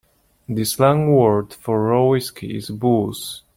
The slang word for raw whiskey is booze.